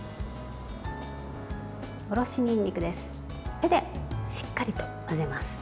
手でしっかりと混ぜます。